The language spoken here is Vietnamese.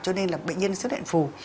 cho nên là bệnh nhân sẽ đẹp phù